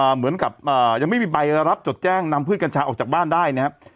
เหมือนกับยังไม่มีใบรับจดแจ้งนำพืชกัญชาออกจากบ้านได้นะครับ